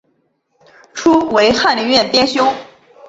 初为翰林院编修。